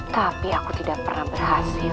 tapi aku tidak pernah berhasil